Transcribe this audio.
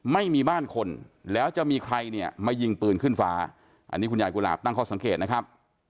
ไม่มีบ้านคนแล้วจะมีใครเนี่ยมายิงปืนขึ้นฟ้าอันนี้คุณยายกุหลาบตั้งข้อสังเกตนะครับ